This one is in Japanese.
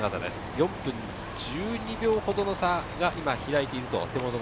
４分１２秒ほどの差が開いています。